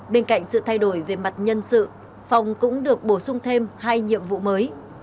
bên cạnh sự thay đổi về mặt nhân sự phòng cũng được bổ sung thêm hai nhiệm vụ mới